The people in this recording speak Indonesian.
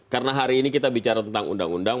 karena hari ini kita bicara tentang undang undang